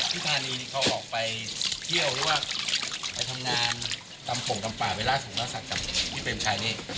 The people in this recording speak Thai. พี่ธานีเขาออกไปเที่ยวหรือว่าไปทำงานตำปลงตำปลาไปล่าส่งนักศัตริย์กับที่เต็มชัยนี่